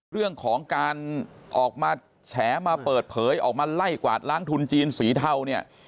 เรื่องของการออกมาแฉมาเปิดเผยออกมาไล่กวาดล้างทุนจีนสีเทาเนี่ย